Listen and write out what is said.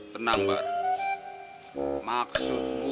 tenang bar maksud gue tuh